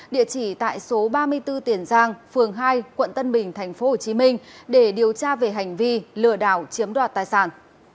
địa chỉ tại số ba mươi bốn tiền giang phường hai quận tân bình tp hcm để điều tra về hành vi lừa đảo chiếm đoạt tài sản